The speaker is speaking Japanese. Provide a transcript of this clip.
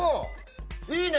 いいね！